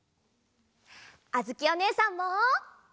あづきおねえさんも。